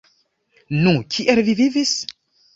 Nu, kiel vi vivis?